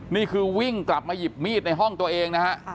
นี่คือวิ่งกลับมาหยิบมีดในห้องตัวเองนะฮะ